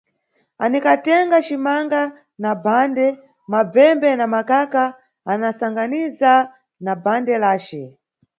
Anikatenga cimanga na bhande, mabvembe na makaka ana sanganiza na bhande lace.